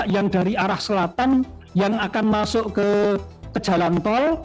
yang dari arah selatan yang akan masuk ke jalan tol